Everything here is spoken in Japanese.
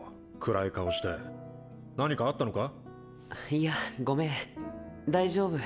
いやごめん大丈夫。